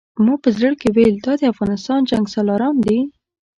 ما په زړه کې ویل دا د افغانستان جنګسالاران دي.